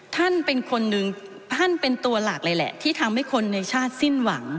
ท่านเป็นตัวหลักเลยแหละที่ทำให้คนในชาติสิ้นหวัง